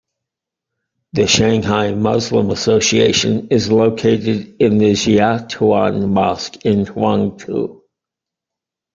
The Shanghai Muslim Association is located in the Xiaotaoyuan Mosque in Huangpu.